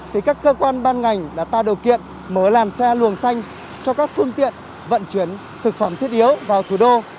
thì các cơ quan ban ngành đã tạo điều kiện mở làn xe luồng xanh cho các phương tiện vận chuyển thực phẩm thiết yếu vào thủ đô